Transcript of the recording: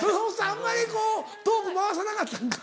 あんまりトーク回さなかったんか。